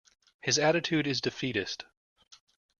His attitude is defeatist.